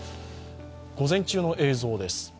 午前中の映像です。